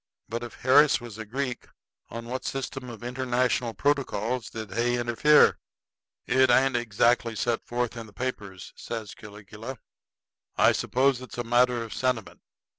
But if Harris was a Greek, on what system of international protocols did Hay interfere?" "It ain't exactly set forth in the papers," says Caligula. "I suppose it's a matter of sentiment.